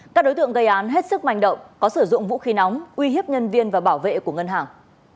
các đối tượng gây án hết sức manh động có sử dụng vũ khí nóng uy hiếp nhân viên và bảo vệ của ngân hàng